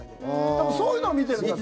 多分、そういうのを見てるんだと思う。